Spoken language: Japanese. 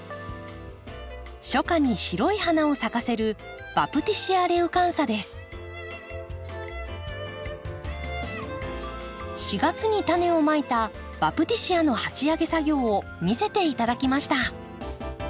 初夏に白い花を咲かせる４月にタネをまいたバプティシアの鉢上げ作業を見せていただきました。